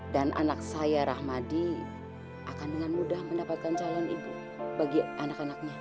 dan anak saya rahmadi akan dengan mudah mendapatkan calon ibu bagi anak anaknya